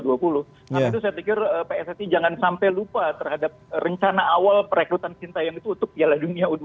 tapi itu saya pikir pssi jangan sampai lupa terhadap rencana awal perekrutan sintayong itu untuk piala dunia u dua puluh